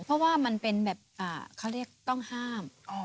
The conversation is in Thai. เพราะว่ามันเป็นแบบเขาเรียกต้องห้าม